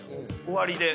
終わりで。